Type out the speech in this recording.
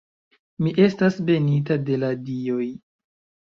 Mi estas benita de la dioj.